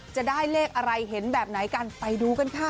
จะได้เลขอะไรเห็นแบบไหนกันไปดูกันค่ะ